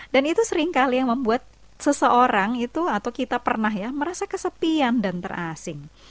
dan itu seringkali yang membuat seseorang atau kita pernah merasa kesepian dan terasing